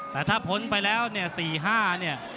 แต่ถ้าผลไปแล้ว๔๕เนี่ย